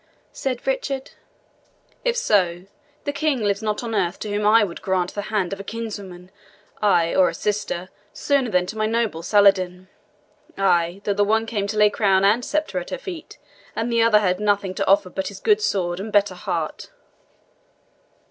said Richard. "If so, the king lives not on earth to whom I would grant the hand of a kinswoman, ay, or sister, sooner than to my noble Saladin ay, though the one came to lay crown and sceptre at her feet, and the other had nothing to offer but his good sword and better heart!"